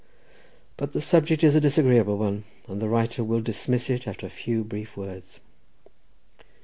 But the subject is a disagreeable one, and the writer will dismiss it after a few brief words.